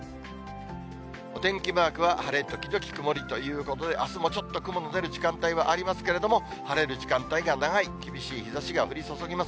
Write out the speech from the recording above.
お天気マークは晴れ時々曇りということで、あすもちょっと雲の出る時間帯はありますけれども、晴れる時間帯が長い、厳しい日ざしが降り注ぎます。